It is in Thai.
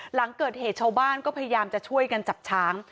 หลังเกิดเหตุชาวบ้านก็พยายามจะช่วยกันจับช้าง